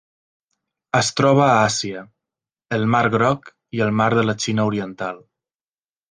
Es troba a Àsia: el Mar Groc i el Mar de la Xina Oriental.